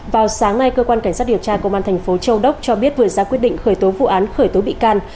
vào sáng nay cơ quan cảnh sát điều tra công an thành phố châu đốc cho biết vừa ra quyết định khởi tố vụ án khởi tố bị can